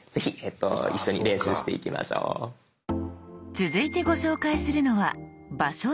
続いてご紹介するのは「場所の共有」。